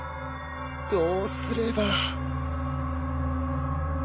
どうすれば